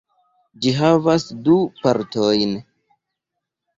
Ĝi havas du partojn.